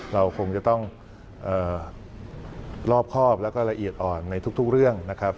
เราคงจะต้องรอบครอบแล้วก็ละเอียดอ่อนในทุกเรื่องนะครับ